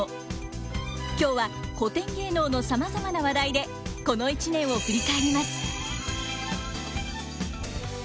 今日は古典芸能のさまざまな話題でこの一年を振り返ります。